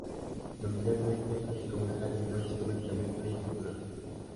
Nominalmente, el comentario no es jurídicamente vinculante.